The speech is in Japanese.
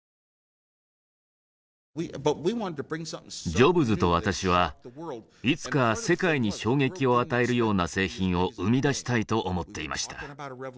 ジョブズと私はいつか世界に衝撃を与えるような製品を生み出したいと思っていました。